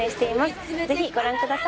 ぜひご覧ください！